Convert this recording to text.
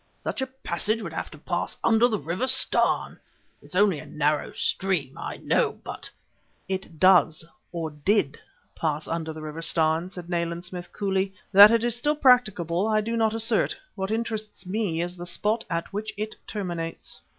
Such a passage would have to pass under the River Starn! It's only a narrow stream, I know, but " "It does, or did, pass under the River Starn!" said Nayland Smith coolly. "That it is still practicable I do not assert; what interests me is the spot at which it terminates."